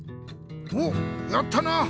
おっやったな！